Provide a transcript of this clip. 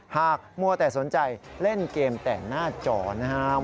มัวแต่สนใจเล่นเกมแต่หน้าจอนะครับ